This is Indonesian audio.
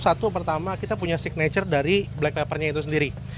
satu pertama kita punya signature dari black peppernya itu sendiri